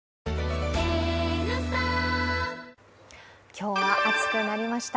今日は暑くなりました。